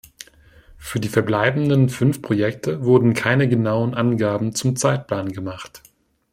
Für die verbleibenden fünf Projekte wurden keine genauen Angaben zum Zeitplan gemacht.